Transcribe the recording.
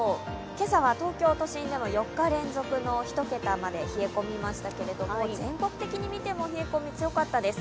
今朝は東京都心では４日連続の１桁まで冷え込みましたけれども、全国的に見ても冷え込みが強かったです。